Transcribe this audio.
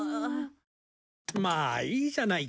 まあいいじゃないか。